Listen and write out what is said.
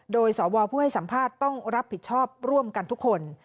โดยสวผู้ให้สัมภาษณ์ต้องรับผิดชอบร่วมกันทุกคน